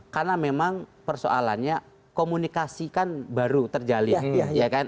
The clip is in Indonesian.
karena memang persoalannya komunikasi kan baru terjalin